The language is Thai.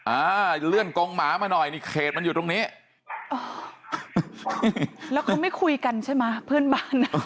อ่าเลื่อนกงหมามาหน่อยนี่เขตมันอยู่ตรงนี้อ๋อแล้วเขาไม่คุยกันใช่ไหมเพื่อนบ้านอ่ะ